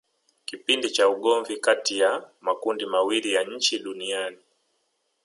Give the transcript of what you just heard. Kipindi cha ugomvi kati ya makundi mawili ya nchi Duniani